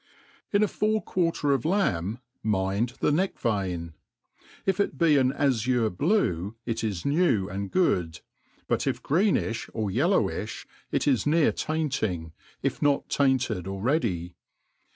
IN a fore quarter of lamb mind the neck vein $ if it be ai| ;izure blue it is new and good, but if greenifh or yellowifh, it 1^ near tainting, if npc tainted already.